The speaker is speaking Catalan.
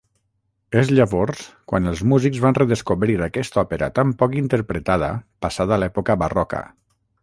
És llavors quan els músics van redescobrir aquesta òpera tan poc interpretada passada l'època barroca.